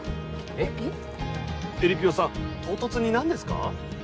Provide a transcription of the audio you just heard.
えりぴよさん唐突に何ですか？